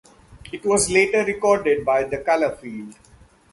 It was later recorded by The Colourfield.